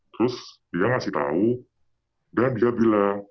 terus dia ngasih tahu dan dia bilang